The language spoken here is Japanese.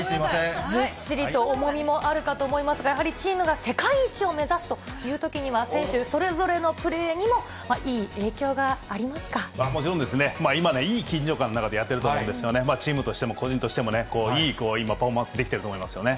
ずっしりと重みもあるかと思いますが、やはりチームが世界一を目指すというときには、選手それぞれのプレーにも、もちろんですね、今ね、いい緊張感の中でやってると思うんですがね、チームとしても個人としてもね、いい今、パフォーマンスできてると思いますよね。